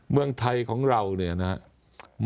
เมืองไทยของเราเนี่ยนะครับ